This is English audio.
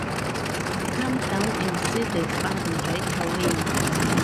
Come down and see the fun right away!